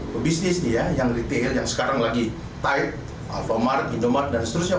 pebisnisnya yang retail yang sekarang lagi tide alfamart indomark dan seterusnya